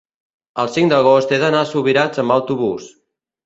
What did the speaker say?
el cinc d'agost he d'anar a Subirats amb autobús.